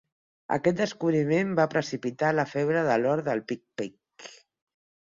Aquest descobriment va precipitar la febre de l'or del pic Pike.